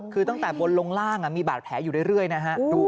คือตั้งแต่บนลงล่างมีบาดแผลอยู่เรื่อยนะฮะ